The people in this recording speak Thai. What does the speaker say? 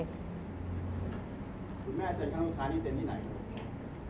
คุณแม่เซ็นที่ไหน